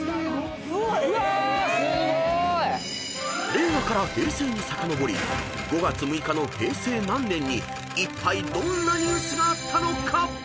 ［令和から平成にさかのぼり５月６日の平成何年にいったいどんなニュースがあったのか］